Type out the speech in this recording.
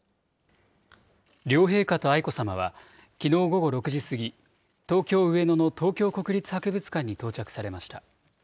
両陛下と愛子さまは、きのう午後６時過ぎ、東京・上野の東京国立博物館に到着されました。